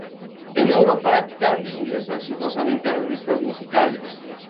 En Europa "Candy" ingresó exitosamente a las listas musicales.